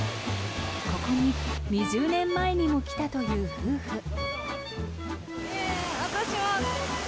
ここに２０年前にも来たという夫婦。